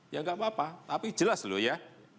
ya nggak apa apa tapi jelas loh ya